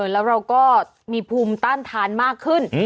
แล้วเราก็มีภูมิต้านทานมากขึ้น